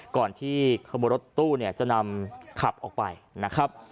ก่อนที่บริษัทตู้จะนำขับออกไปนะครับ